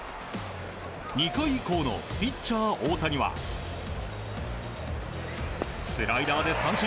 ２回以降のピッチャー大谷はスライダーで三振。